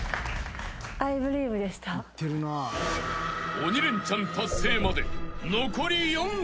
［鬼レンチャン達成まで残り４曲］